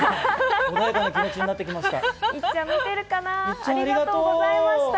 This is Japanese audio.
穏やかな気持ちになってきました。